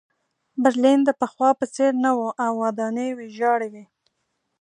برلین د پخوا په څېر نه و او ودانۍ ویجاړې وې